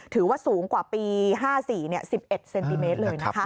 ถือว่าสูงกว่าปี๕๔๑๑เซนติเมตรเลยนะคะ